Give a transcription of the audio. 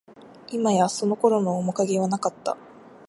いまや、その頃の面影はなかった